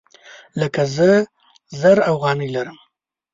لکه زه زر افغانۍ لرم